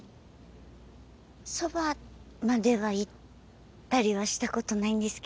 そばまでは行ったりはしたことないんですけど。